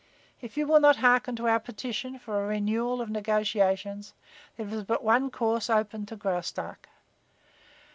If you will not hearken to our petition for a renewal of negotiations, there is but one course open to Graustark.